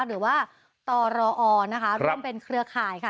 หรือว่าตรอนะคะร่วมเป็นเครือข่ายค่ะ